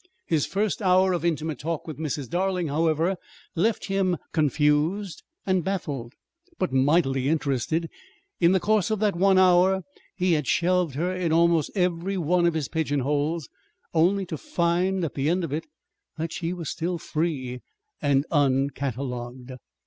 His first hour of intimate talk with Mrs. Darling, however, left him confused and baffled but mightily interested: in the course of that one hour he had shelved her in almost every one of his pigeonholes, only to find at the end of it that she was still free and uncatalogued.